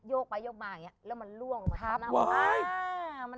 กไปโยกมาอย่างนี้แล้วมันล่วงมาทับหน้าอก